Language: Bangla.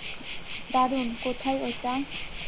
দারুণ, কোথায় ওটা?